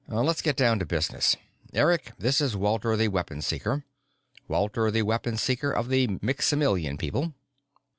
"Let's get down to business. Eric, this is Walter the Weapon Seeker. Walter the Weapon Seeker of the Miximilian people.